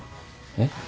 えっ？